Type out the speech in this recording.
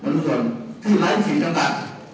มนุษยนทร์ที่ไร้ศีลจำกัด